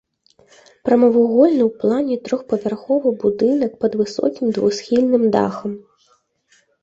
Прамавугольны ў плане трохпавярховы будынак пад высокім двухсхільным дахам.